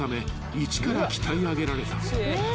一から鍛え上げられた］